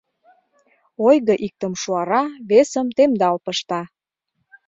Ойго иктым шуара, весым темдал пышта.